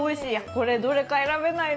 これ、どれか選べないな。